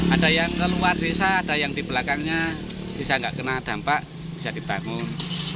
ada yang ke luar desa ada yang di belakangnya bisa nggak kena dampak bisa dibangun